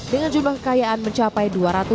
dengan jumlah kekayaan mencapai